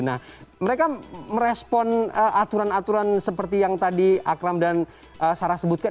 nah mereka merespon aturan aturan seperti yang tadi akram dan sarah sebutkan